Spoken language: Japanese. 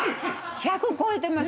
１００超えてます。